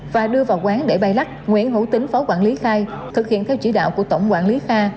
và đưa vào quán để bày lắc nguyễn hữu tính phó quản lý khai thực hiện theo chỉ đạo của tổng quản lý kha